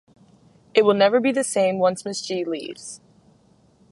It will never be the same once Ms. G leaves.